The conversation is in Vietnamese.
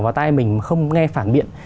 vào tai mình mà không nghe phản biện